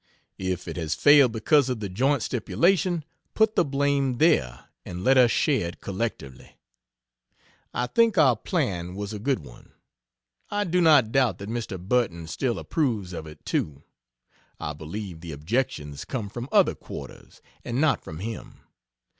If it has failed because of the joint stipulation, put the blame there, and let us share it collectively. I think our plan was a good one. I do not doubt that Mr. Burton still approves of it, too. I believe the objections come from other quarters, and not from him.